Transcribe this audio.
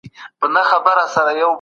خپل شاوخوا ته په دقت سره وګورئ.